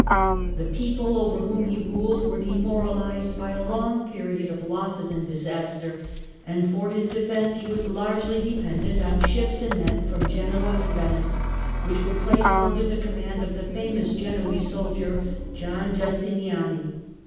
The people over whom he ruled were demoralised by a long period of losses and disaster, and for his defence he was largely dependent on ships and men from Genoa and Venice, which were placed under the command of the famous Genoese soldier John Justiniani.